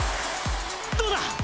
どうだ！